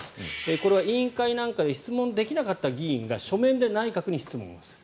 これは委員会なんかで質問できなかった議員が書面で内閣に質問をする。